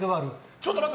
ちょっと待って？